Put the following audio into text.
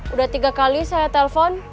udah tiga kali saya telpon